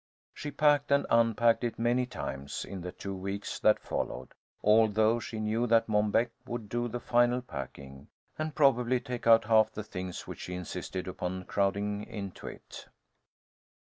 She packed and unpacked it many times in the two weeks that followed, although she knew that Mom Beck would do the final packing, and probably take out half the things which she insisted upon crowding into it.